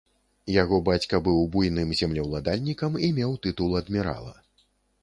Яго бацька быў буйным землеўладальнікам і меў тытул адмірала.